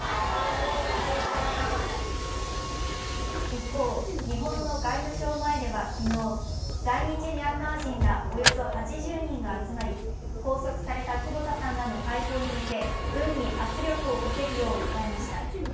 一方、日本の外務省前では昨日、在日ミャンマー人らおよそ８０人が集まり拘束された久保田さんらの解放に向け軍に圧力をかけるよう訴えました。